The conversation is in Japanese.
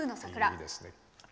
いいですね。